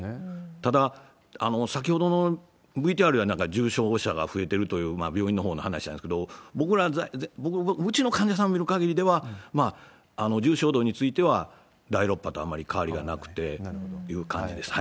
ただ、先ほどのＶＴＲの中、重症者が増えてるという病院のほうの話なんですけれども、僕ら、うちの患者さんを見る限りでは、重症度については第６波とあまり変わりはなくてという感じです。